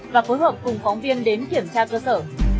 và phối hợp cùng phóng viên đến kiểm tra cơ sở